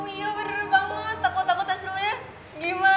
iya bener banget takut takut hasilnya gimana gitu kan